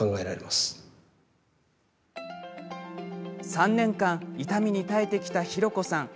３年間、痛みに耐えてきたひろこさん。